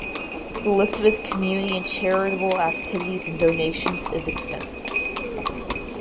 The list of his community and charitable activities and donations is extensive.